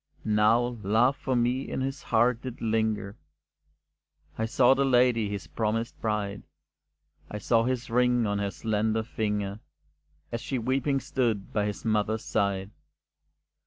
Now love for me in his heart did linger I saw the lady, his promised bride, I saw his ring on her slender finger, As she weeping stood by his mother's side.